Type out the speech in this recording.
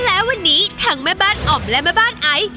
และวันนี้ทั้งแม่บ้านอ่อมและแม่บ้านไอซ์